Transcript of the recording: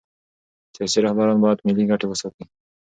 سیاسي رهبران باید ملي ګټې وساتي